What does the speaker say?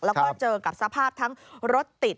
แล้วก็เจอกับสภาพทั้งรถติด